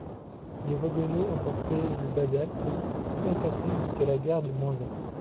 Des wagonnets emportaient le basalte concassé jusqu'à la gare de Manzat.